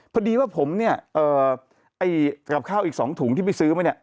พอดีว่าผมเนี่ยไอ้กับข้าวอีก๒ถุงที่ไปซื้อมาเนี่ย